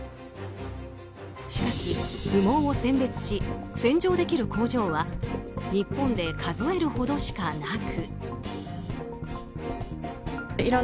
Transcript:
しかし、羽毛を選別し洗浄できる工場は日本で数えるほどしかなく。